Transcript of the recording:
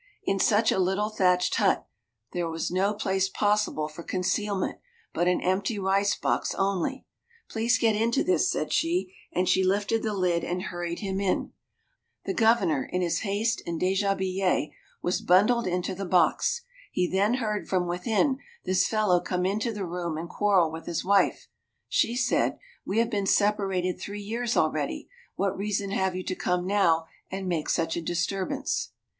In such a little thatched hut there was no place possible for concealment but an empty rice box only. "Please get into this," said she, and she lifted the lid and hurried him in. The Governor, in his haste and déshabille, was bundled into the box. He then heard, from within, this fellow come into the room and quarrel with his wife. She said, "We have been separated three years already; what reason have you to come now and make such a disturbance?"